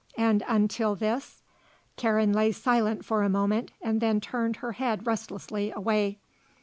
and until this?" Karen lay silent for a moment and then turned her head restlessly away.